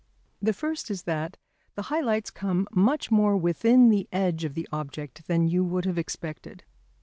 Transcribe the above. The first is that the high lights come much more within the edge of the object than you would have expected.